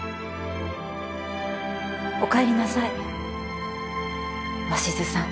おかえりなさい鷲津さん。